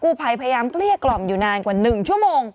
กู้ไพยพยายามเรียกกร่อมอยู่นานกว่า๑ชั่วโมง